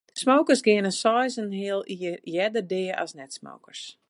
Smokers geane seis en in heal jier earder dea as net-smokers.